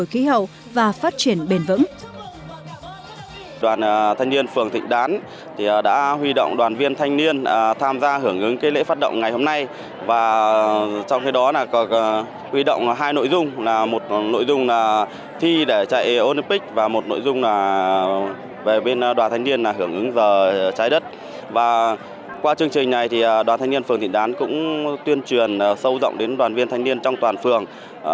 hình tượng biến đổi khí hậu và phát triển bền vững